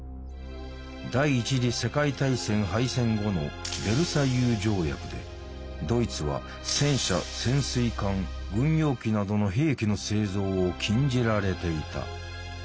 第一次世界大戦敗戦後のヴェルサイユ条約でドイツは戦車潜水艦軍用機などの兵器の製造を禁じられていた。